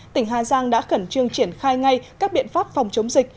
tỉnh hà giang đã khẩn trương triển khai ngay các biện pháp phòng chống dịch